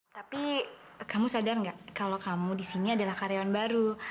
tapi kamu sadar nggak kalau kamu di sini adalah karyawan baru